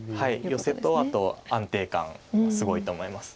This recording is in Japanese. ヨセとあと安定感すごいと思います。